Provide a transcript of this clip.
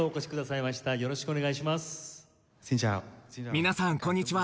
皆さんこんにちは。